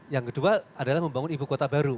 yang kedua adalah membangun ibu kota baru